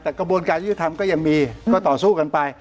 แต่กระบวนการยุทธธรรมก็ยังมีก็ต่อสู้กันไป